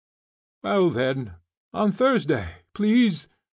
"Well, then; on Thursday, please.